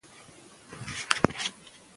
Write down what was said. شاګرد له مودې راهیسې په پښتو تمرین کوي.